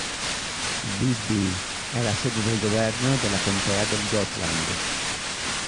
Visby è la sede del governo della contea del Gotland.